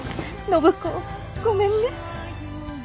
暢子ごめんね。